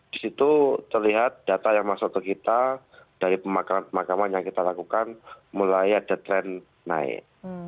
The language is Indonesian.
di situ terlihat data yang masuk ke kita dari pemakaman pemakaman yang kita lakukan mulai ada tren naik